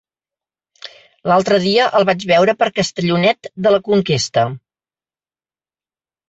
L'altre dia el vaig veure per Castellonet de la Conquesta.